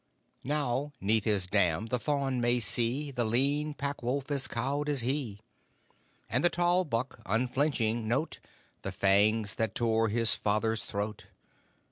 Now 'neath his dam the fawn may see The lean Pack wolf as cowed as he, And the tall buck, unflinching, note The fangs that tore his father's throat.